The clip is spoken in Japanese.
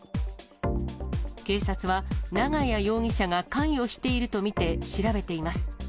警察は、永谷容疑者が関与していると見て調べています。